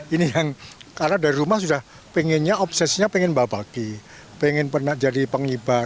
ini yang karena dari rumah sudah pengennya obsesnya pengen mbak bagi pengen pernah jadi pengibar